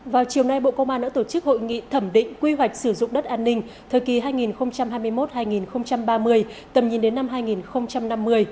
vào chiều nay bộ công an đã tổ chức hội nghị thẩm định quy hoạch sử dụng đất an ninh thời kỳ hai nghìn hai mươi một hai nghìn ba mươi tầm nhìn đến năm hai nghìn năm mươi